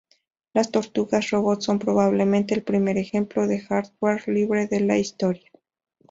Las tortugas robot son probablemente el primer ejemplo de hardware libre de la historia.